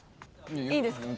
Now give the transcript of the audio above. いいですか。